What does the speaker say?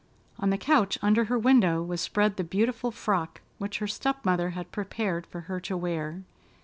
On the couch, under her window was spread the beautiful frock which her step mother had prepared for her to wear.